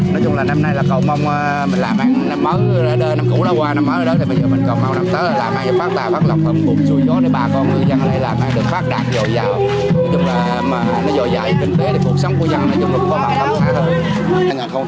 nói chung là nó dòi dãi kinh tế để cuộc sống của ngư dân nói chung là vô mặt khó khăn hơn